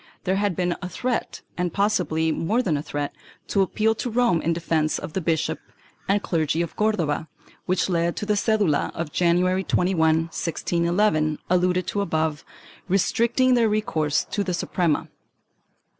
There had been a threat, and possibly more than a threat, to appeal to Rome in defence of the bishop and clergy of Cordova, which led to the cedula of January 21, 1611, alluded to above, restricting their recourse to the Suprema.